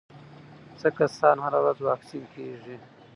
څه کسان هره ورځ واکسین کېږي؟